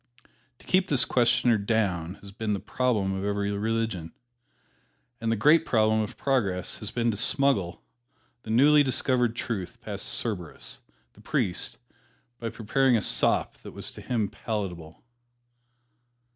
To keep this questioner down has been the problem of every religion. And the great problem of progress has been to smuggle the newly discovered truth past Cerberus, the priest, by preparing a sop that was to him palatable.